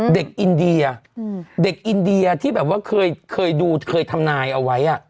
เด็กอินเดียเด็กอินเดียที่แบบว่าเคยดูเคยทำนายเอาไว้